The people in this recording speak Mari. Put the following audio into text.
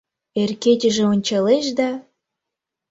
Эр кечыже ончалеш да